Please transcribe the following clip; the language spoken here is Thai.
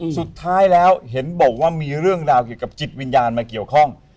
สุดท้ายแล้วเห็นบอกว่ามีเรื่องราวเกี่ยวกับจิตวิญญาณมาเกี่ยวข้อง